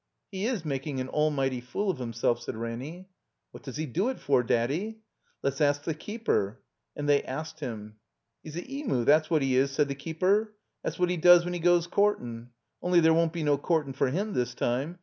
"He is making an almighty fool of himself," said Ranny. " What does he do it for, Daddy?'' ''Let's ask the keeper." And they asked him. *"E*s a Emu, that's what 'e is," said the keeper. "That's what he does when he goes courtin'. Only there won't be no courtin' for him this time.